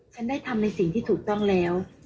ฉันได้ทำในสิ่งที่ถูกต้องแล้ว